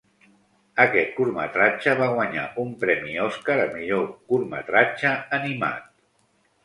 Aquest curtmetratge va guanyar un Premi Oscar a millor curtmetratge animat.